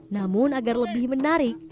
namun agar lebih menarik